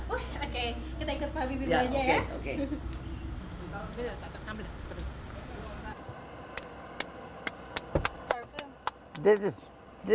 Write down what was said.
oke kita ikut pak habibie belanjanya ya